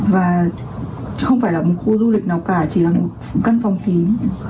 và không phải là một khu du lịch nào cả chỉ là một căn phòng kín